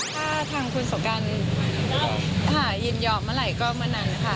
ถ้าทางคุณสงการหายินยอมเมื่อไหร่ก็เมื่อนั้นค่ะ